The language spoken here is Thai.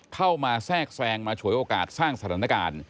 เข้ามาแทรกแซงมาฉวยโอกาสสร้างสถานการณ์